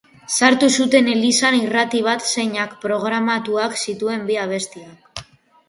Sartu zuten elizan irrati bat zeinak programatuak zituen bi abestiak.